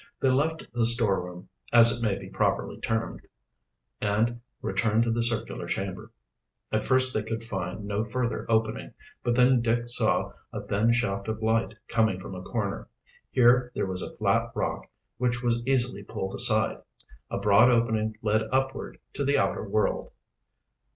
They left the storeroom, as it may properly be termed, and returned to the circular chamber. At first they could find no further opening, but then Dick saw a thin shaft of light coming from a corner. Here there was a flat rock which was easily pulled aside. A broad opening led upward to the outer world.